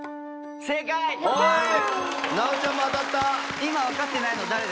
今分かってないの誰ですか？